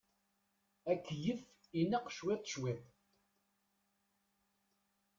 Akeyyef ineqq cwiṭ cwiṭ.